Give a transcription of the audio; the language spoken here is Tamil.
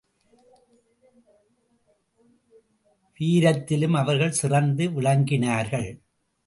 வீரத்திலும் அவர்கள் சிறந்து விளங்கினார்கள்.